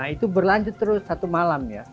itu berlanjut terus satu malam ya